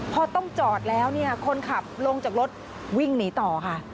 พอต้องจอดแล้วเนี่ยคนขับลงจากรถวิ่งหนีต่อค่ะ